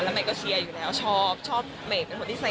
แล้วไหมก็เชียร์อยู่แล้วชอบชอบไหมเป็นคนที่เซฟ